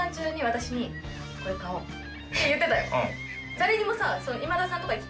誰にもさ。